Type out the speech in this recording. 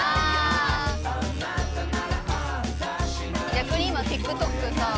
逆に今ＴｉｋＴｏｋさ。